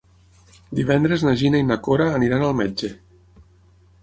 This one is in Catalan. Divendres na Gina i na Cora aniran al metge.